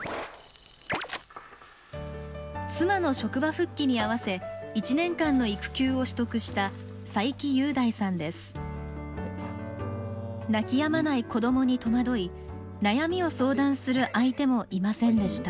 妻の職場復帰にあわせ１年間の育休を取得した泣きやまない子どもに戸惑い悩みを相談する相手もいませんでした。